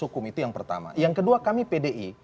hukum itu yang pertama yang kedua kami pdi